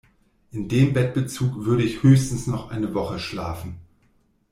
In dem Bettbezug würde ich höchstens noch eine Woche schlafen.